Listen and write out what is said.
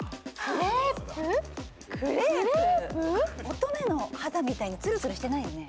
乙女の肌みたいにつるつるしてないよね？